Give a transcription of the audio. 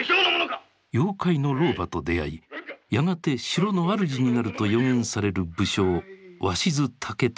妖怪の老婆と出会いやがて城の主になると予言される武将鷲津武時。